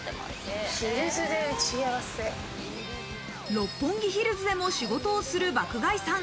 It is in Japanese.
六本木ヒルズでも仕事をする爆買いさん。